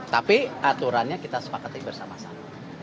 tapi aturannya kita sepakati bersama sama